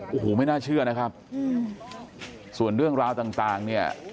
โอ้โหไม่น่าเชื่อนะครับส่วนเรื่องราวต่างเนี่ย